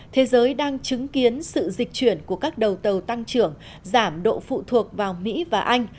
thế giới đang chứng kiến sự dịch chuyển của các đầu tàu tăng trưởng giảm độ phụ thuộc vào mỹ và anh